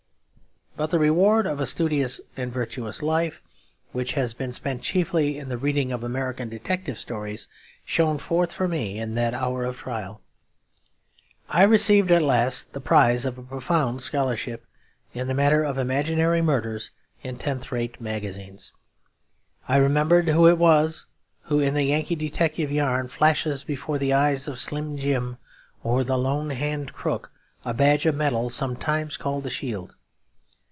But the reward of a studious and virtuous life, which has been spent chiefly in the reading of American detective stories, shone forth for me in that hour of trial; I received at last the prize of a profound scholarship in the matter of imaginary murders in tenth rate magazines. I remembered who it was who in the Yankee detective yarn flashes before the eyes of Slim Jim or the Lone Hand Crook a badge of metal sometimes called a shield.